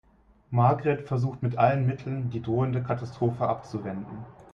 Margret versucht mit allen Mitteln, die drohende Katastrophe abzuwenden.